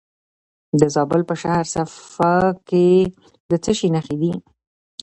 د زابل په شهر صفا کې د څه شي نښې دي؟